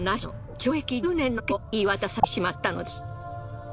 懲役１０年の刑を言い渡されてしまったのです。